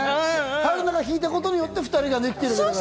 春菜が引いたことによって２人ができたんだよね。